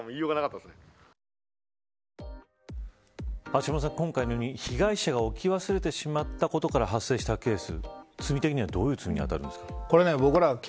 橋下さん、今回のように、被害者が置き忘れてしまったことから発生したケースどういう罪に当たるんですか。